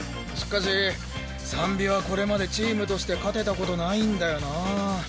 しかしサンビはこれまでチームとして勝てた事ないんだよな。